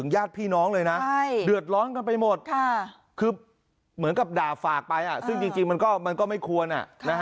อย่าฝากไปซึ่งจริงมันก็ไม่ควร